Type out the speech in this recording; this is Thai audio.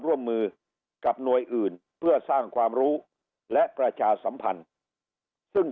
ร่วมมือกับหน่วยอื่นเพื่อสร้างความรู้และประชาสัมพันธ์ซึ่ง